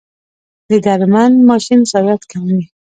د درمند ماشین ضایعات کموي؟